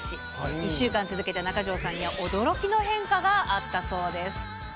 １週間続けた中条さんには驚きの変化があったそうです。